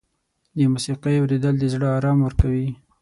د موسیقۍ اورېدل د زړه آرام ورکوي.